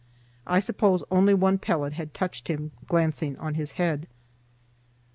I suppose only one pellet had touched him, glancing on his head.